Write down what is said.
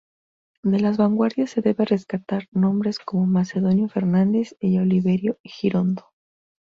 De las vanguardias se debe rescatar nombres como Macedonio Fernández y Oliverio Girondo.